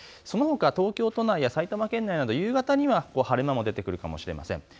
そのほか東京都内や埼玉県内では夕方には晴れ間が出てくるかもしれません。